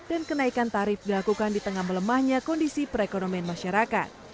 dan kenaikan tarif dilakukan di tengah melemahnya kondisi perekonomian masyarakat